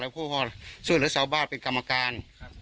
แล้วพวกเขาสู้หรือสาวบ้านเป็นกรรมการ